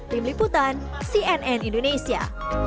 tim liputan cnn indonesia